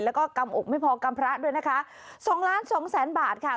แล้วก็กำอกไม่พอกำพระด้วยนะคะ๒๒๐๐๐๐๐บาทค่ะ